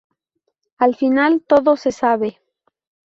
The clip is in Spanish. Al final todo se sabe